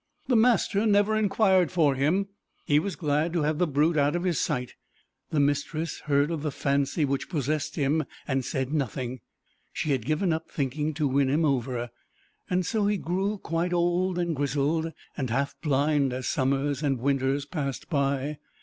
The master never inquired for him: he was glad to have the brute out of his sight: the mistress heard of the fancy which possessed him, and said nothing: she had given up thinking to win him over. So he grew quite old and grizzled, and half blind as summers and winters passed by.